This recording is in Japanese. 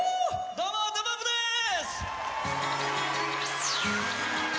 どうもＤＡＰＵＭＰでーす。